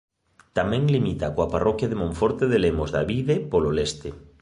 Tamén limita coa parroquia de Monforte de Lemos de A Vide polo leste.